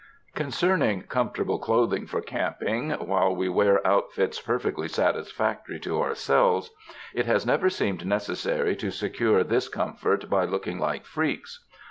Concerning comfortable clothing for camping, while we wear outfits perfectly satisfactory to our selves, it has never seemed necessary to secure this comfort by looking like "freaks."